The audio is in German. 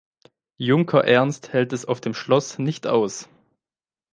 Junker Ernst hält es auf dem Schloss nicht aus.